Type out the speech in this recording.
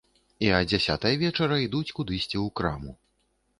І а дзясятай вечара ідуць кудысьці ў краму.